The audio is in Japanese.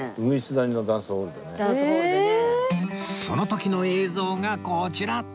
その時の映像がこちら！